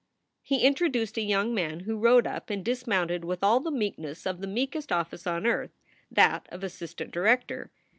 He introduced a young man who rode up and dismounted with all the meekness of the meekest office on earth, that of assistant director.